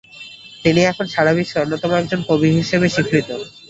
তিনি এখন সারা বিশ্বে অন্যতম একজন কবি হিসেবে স্বীকৃত ।